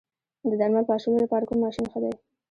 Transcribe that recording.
د درمل پاشلو لپاره کوم ماشین ښه دی؟